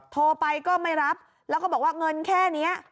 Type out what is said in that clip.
โทรไปก็ไม่รับแล้วก็บอกว่าเงินแค่นี้